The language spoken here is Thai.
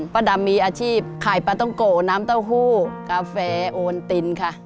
ป้าดำมีอาชีพขายปลาต้องโกน้ำเต้าหู้กาแฟโอนตินค่ะ